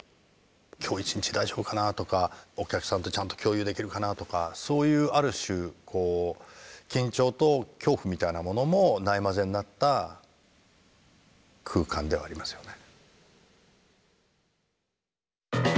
今日一日大丈夫かなとかお客さんとちゃんと共有できるかなとかそういうある種こう緊張と恐怖みたいなものもないまぜになった空間ではありますよね。